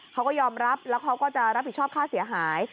เขาก็ยอมรับแล้วเขาก็จะรับผิดชอบค่าเสียหาย